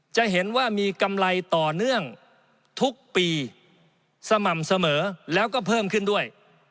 จะเห็นว่ามีกำไรต่อเนื่องทุกปีสม่ำเสมอแล้วก็เพิ่มขึ้นด้วย